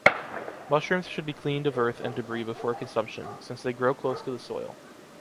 Mushrooms should be cleaned of earth and debris before consumption, since they grow close to the soil.